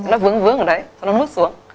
nó vướng vướng ở đấy xong nó nuốt xuống